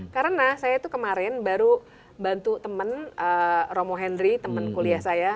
karena saya tuh kemarin baru bantu temen romo hendri temen kuliah saya